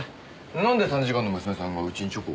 なんで参事官の娘さんがうちにチョコを？